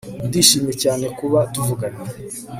ndishimye cyane kuba tuvuganye